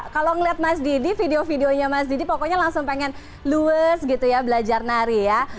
kalau ngeliat mas didi video videonya mas didi pokoknya langsung pengen luwes gitu ya belajar nari ya